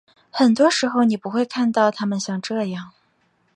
很多时候你不会看到他们像这样。